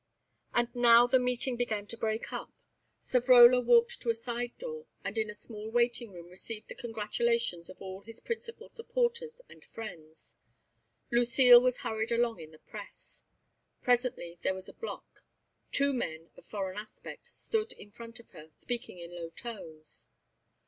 And now the meeting began to break up. Savrola walked to a side door, and in a small waiting room received the congratulations of all his principal supporters and friends. Lucile was hurried along in the press. Presently there was a block. Two men, of foreign aspect, stood in front of her, speaking in low tones.